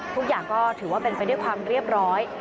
ทุกอย่างก็ถือว่าเป็นไปด้วยความเรียบร้อย